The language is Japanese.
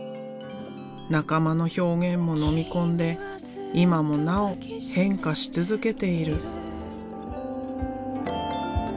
仲間の表現ものみ込んで今もなお変化し続けている。